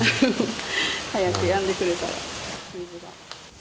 早くやんでくれたら。